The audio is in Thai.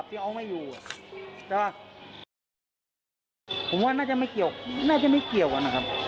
ผมว่าน่าจะไม่เกี่ยวกันนะครับ